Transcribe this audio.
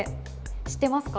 知ってますか？